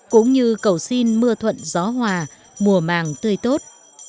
cũng như cầu xin mưa thuận gió hòa mùa màng tươi tốt